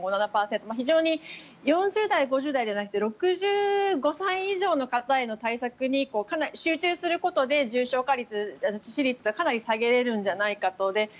非常に４０代、５０代じゃなくて６５歳以上の方への対策に集中することで重症化率、致死率はかなり下げられるんじゃないだろうかと。